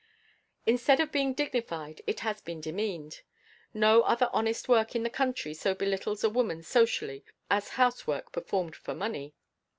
Instead of being dignified, it has been demeaned. No other honest work in the country so belittles a woman socially as housework performed for money.